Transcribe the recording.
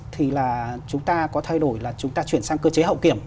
thì là chúng ta có thay đổi là chúng ta chuyển sang cơ chế hậu kiểm